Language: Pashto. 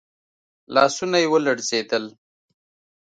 لاسونه يې ولړزېدل.